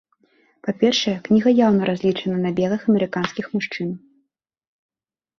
Па-першае, кніга яўна разлічана на белых амерыканскіх мужчын.